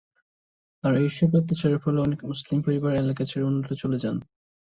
আর এইসব অত্যাচারের ফলে অনেক মুসলিম পরিবার এলাকা ছেড়ে অন্যত্র চলে যান।